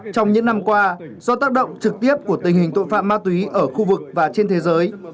trong những năm qua do tác động trực tiếp của tình hình tội phạm ma túy ở khu vực và trên thế giới